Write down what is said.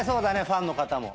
ファンの方も。